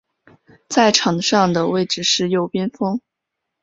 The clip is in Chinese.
在场上的位置是右边锋。